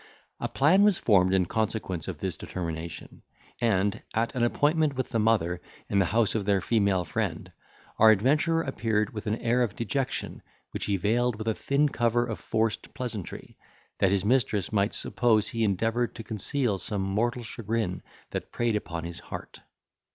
A plan was formed in consequence of this determination, and, at an appointment with the mother in the house of their female friend, our adventurer appeared with an air of dejection, which he veiled with a thin cover of forced pleasantry, that his mistress might suppose he endeavoured to conceal some mortal chagrin that preyed upon his heart.